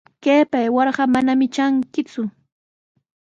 Kaypa aywarqa manami trankiku.